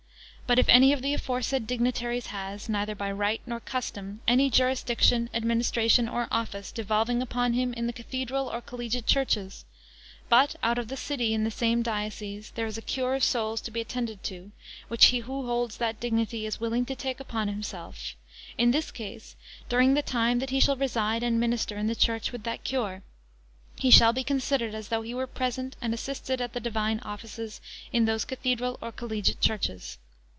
But if any of the aforesaid dignitaries has, neither by right, nor custom, any jurisdiction, administration, or office, devolving upon him in the cathedral or collegiate churches; but, out of the city, in the same diocese, there is a cure of souls to be attended to, which he who holds that dignity is willing to take upon himself; in this case, during the time that he shall reside and minister in the church with that cure, he shall be considered as though he were present and assisted at the divine offices in those cathedral or collegiate churches.